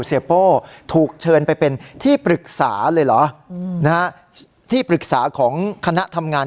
โป้ถูกเชิญไปเป็นที่ปรึกษาเลยเหรอนะฮะที่ปรึกษาของคณะทำงาน